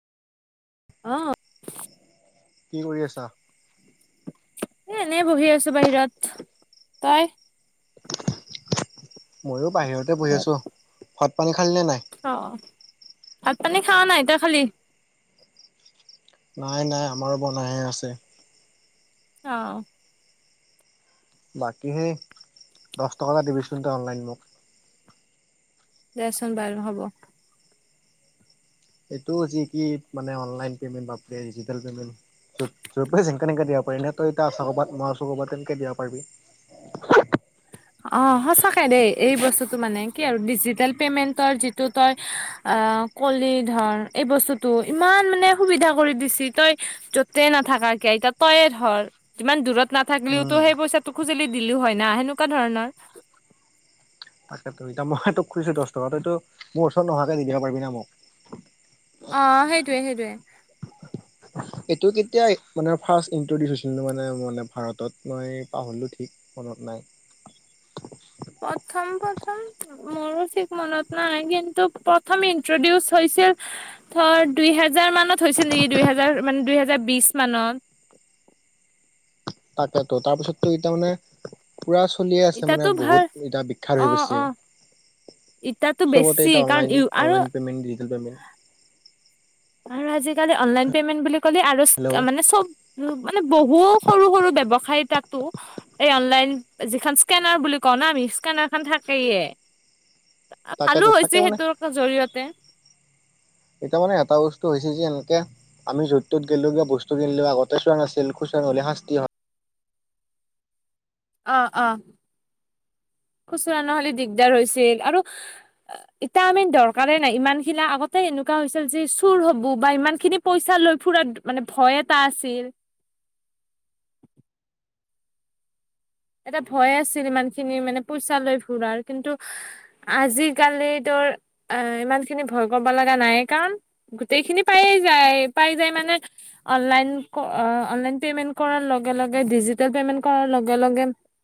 অহ। কি কৰি আছা? এ এনেই বহি আছো বাহিৰত। তই? মইয়ো বাহিৰতে বহি আছো ভাত পানী খালি নে নাই? অ ভাত পানী খোৱা নাই, তই খালি? নাই নাই আমাৰো বনাই আছে। অঁ বাকী সেই দহ টকা এটা দিবিচোন অনলাইন মোক। দেচোন বাৰু হ'ব। এইটো যি কি মানে অনলাইন পেমেণ্ট বা [unintelligible] যৰ পৰাই যেনেকে তেনেকে দিব পাৰি নহ তই এয়া আছ কবাত মই আছোঁ কবাত তেনেকে দিব পাৰি [unintelligible] অ সঁচাকে দেই এই বস্তুটো মানে কি আৰু ডিজিটেল পেমেন্টৰ যিটো তই আ কলি ধৰ এই বস্তুটো ইমান মানে সুবিধা কৰি দিছি তই য'তে নাথাক এতিয়া তইয়ে ধৰ যিমান দূৰত নাথাকিলেওতো উম সেই পইচাটো খুজিলি দিলেও হয় না সেনেকুৱা ধৰণৰ তাকেই, এতিয়া মই তোক খুজইছো দহ টকা তইতো মোৰ ওচৰত নোহোৱাকে দিব পাৰিবি না মোক,, অ সেইটোৱে সেইটোৱে, এইটো কেতিয়া মানে ফাৰ্ষ্ট ইন্ট্ৰডিউচ হৈছিলনো মানে মানে ভাৰতত মই পাহৰিলো ঠিক। নত নাই [inaudible] প্ৰথম প্ৰথম মোৰো ঠিক মনত নাই কিন্তু প্ৰথম ইন্ট্ৰডিউচ হৈ ছিল ধৰ দুই হেজাৰ মানত হৈছিল নেকি' দুই হেজাৰ মানে দুই হেজাৰ বিশ মানত। [inaudible] তাকেতো তাৰপিছতো এতিয়া মানে পুৰা চলিয়ে আছে মানে ইতাতো ভাল বহুত এতিয়া বিখ্যাত অ হৈ অ গৈছে। ইতাতো চবতে বেছি ইতিয়া কাৰণ অনলাইন আৰু অনলাইন, পেমেণ্ট ডিজিটেল পেমেণ্ট আৰু আজিকালি অনলাইন পে'মেণ্ট বুলি ক আৰু হেল্ল' মানে চব মানে বহু সৰু সৰু ব্যৱসায়ত তাতো এই অনলাইন যিখন স্কেনাৰ বুলি কওঁ ন আমি স্কেনাৰ খন থাকেইে। আলো তাকেতো থাকে হৈছে মানে সেইটোৰ জৰিয়তে এতিয়া মানে এটা বস্তু হৈছে যে এনকে আমি য'ত ত'ত গেলোগে কিবা বস্তু কিনলেও আগতে চোৱা নাছিল খো হলে শাস্তি হয় অ' অ খুচুৰা নহলে দিগদাৰ হৈছিল আৰু এতিয়া আমি দৰকাৰেই নাই ইমানখিলা আগতে এ এনেকুৱা হৈছিল যি চুৰ হব বা ইমান খিনি পইচা লৈ ফুৰাত মানে ভয় এটা আছিল। [unintelligible] এটা ভয় আছিল ইমান খিনি মানে পইচা লৈ ফুৰাৰ কিন্তু আজিকালিতো ইমান খিনি ভয় কৰব লগা নাই কাৰণ গোটেই খিনি পায়ে যায় পাই যায় মানে অনলাইন অনলাইন পেমেন্ট কৰাৰ লগে লগে ডিজিটেল পেমেন্ট কৰাৰ লগে লগে